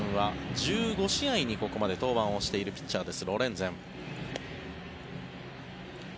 今シーズンは１５試合にここまで登板をしているピッチャーです、ロレンゼン。